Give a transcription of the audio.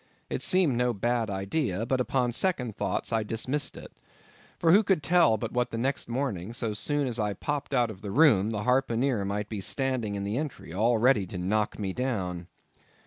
It seemed no bad idea; but upon second thoughts I dismissed it. For who could tell but what the next morning, so soon as I popped out of the room, the harpooneer might be standing in the entry, all ready to knock me down!